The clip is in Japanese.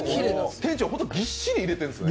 店長、本当にぎっしり入れてるんですね。